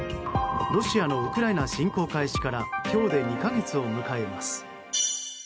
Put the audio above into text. ロシアのウクライナ侵攻開始から今日で２か月を迎えます。